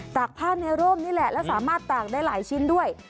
กผ้าในร่มนี่แหละแล้วสามารถตากได้หลายชิ้นด้วย